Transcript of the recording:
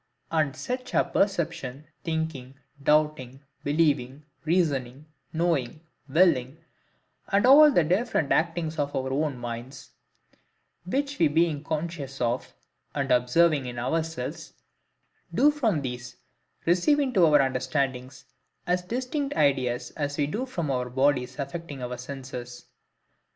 And such are perception, thinking, doubting, believing, reasoning, knowing, willing, and all the different actings of our own minds;—which we being conscious of, and observing in ourselves, do from these receive into our understandings as distinct ideas as we do from bodies affecting our senses.